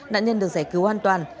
nạn nhân được giải cứu an toàn